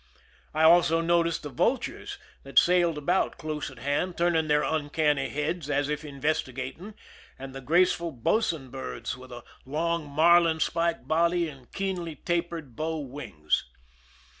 I also noticed the vultures that sailed, about close at hand, turning their un canny heads as if investigating, and the graceful boatswain birds with long, marlinespike body and keenly tapered bow wings.